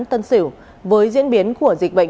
tân sỉu với diễn biến của dịch bệnh